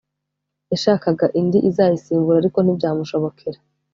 yashakaga indi izayisimbura ariko ntibyamushobokera